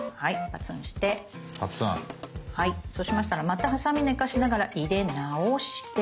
はいそうしましたらまたハサミ寝かしながら入れ直して。